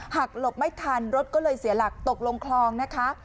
หลบไม่ทันรถก็เลยเสียหลักตกลงคลองนะคะ